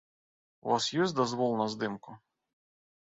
У вас ёсць дазвол на здымку?